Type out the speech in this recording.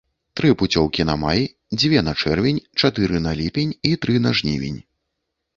Тры пуцёўкі на май, дзве на чэрвень, чатыры на ліпень і тры на жнівень.